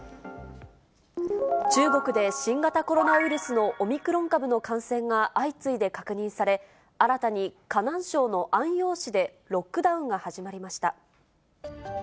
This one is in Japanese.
中国で新型コロナウイルスのオミクロン株の感染が相次いで確認され、新たに河南省の安陽市でロックダウンが始まりました。